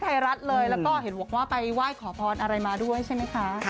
ไทยรัฐเลยแล้วก็เห็นบอกว่าไปไหว้ขอพรอะไรมาด้วยใช่ไหมคะ